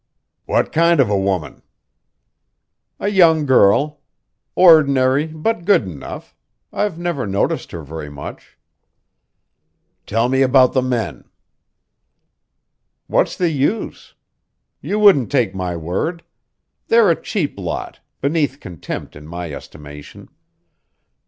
"What kind of a woman?" "A young girl. Ordinary, but good enough. I've never noticed her very much." "Tell me about the men." "What's the use? You wouldn't take my word. They're a cheap lot, beneath contempt in my estimation.